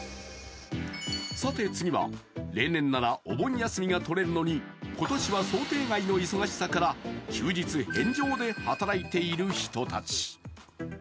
さて次は例年ならお盆休みが取れるのに今年は想定外の忙しさから休日返上で働いている人たち。